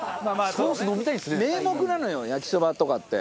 名目なのよ焼きそばとかって。